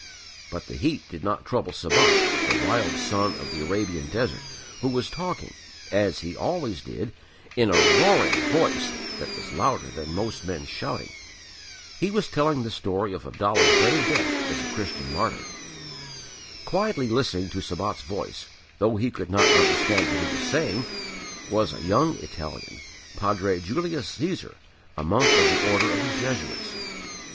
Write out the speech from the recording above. But the heat did not trouble Sabat, the wild son of the Arabian desert, who was talking as he always did in a roaring voice that was louder than most men's shouting. He was telling the story of Abdallah's brave death as a Christian martyr. Quietly listening to Sabat's voice though he could not understand what he was saying was a young Italian, Padre Julius Cæsar, a monk of the order of the Jesuits.